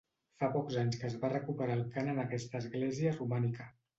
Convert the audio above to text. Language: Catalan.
Fa pocs anys que es va recuperar el cant en aquesta església romànica.